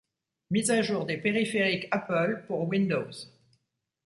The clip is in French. Mise à jour des périphériques Apple pour Windows.